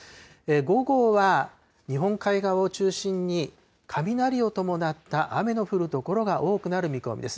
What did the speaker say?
午後は日本海側を中心に雷を伴った雨の降る所が多くなる見込みです。